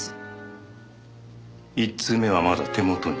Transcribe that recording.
１通目はまだ手元に？